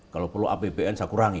kalau perlu apbn saya kurangi